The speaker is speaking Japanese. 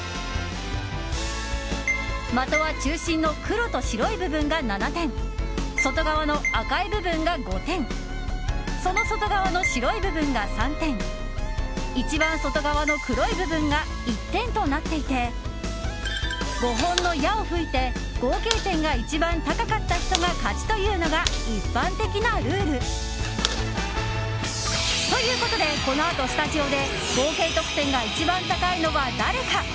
的は中心の黒と白い部分が７点外側の赤い部分が５点その外側の白い部分が３点一番外側の黒い部分が１点となっていて５本の矢を吹いて合計点が一番高かった人が勝ちというのが一般的なルール。ということでこのあとスタジオで合計得点が一番高いのは誰か？